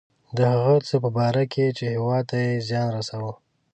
د هغه څه په باره کې چې هیواد ته یې زیان رساوه.